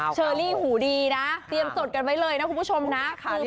เชอรี่หูดีนะเตรียมจดกันไว้เลยนะคุณผู้ชมนะ